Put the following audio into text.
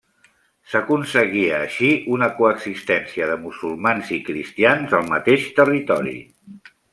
S’aconseguia així una coexistència de musulmans i cristians al mateix territori.